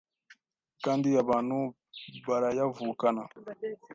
kandi abantu barayavukana